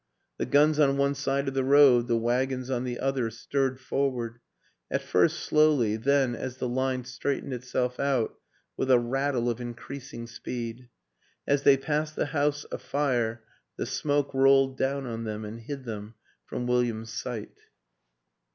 The guns on one side of the road, the wagons on the other stirred forward at first slowly, then, as the line straightened itself out, with a rattle of increasing speed. As they passed the house afire the smoke rolled down on them and hid them from William's sight.